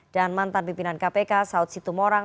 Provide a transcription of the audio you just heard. dan mantan pimpinan kpk saud situ morang